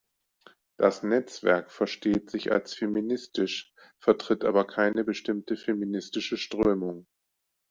Das Netzwerk versteht sich als feministisch, vertritt aber keine bestimmte feministische Strömung.